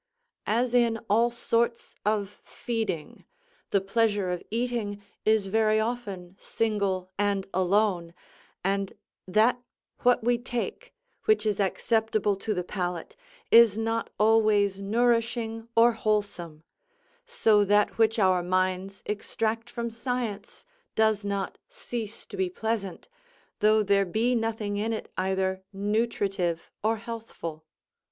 As in all sorts of feeding, the pleasure of eating is very often single and alone, and that what we take, which is acceptable to the palate, is not always nourishing or wholesome; so that which our minds extract from science does not cease to be pleasant, though there be nothing in it either nutritive or healthful.